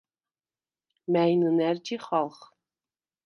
მა̈ჲ ნჷნა̈რ ჯიხალხ?